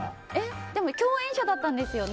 でも共演者だったんですよね。